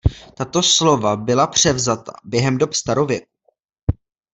Tato slova byla převzatá během dob starověku.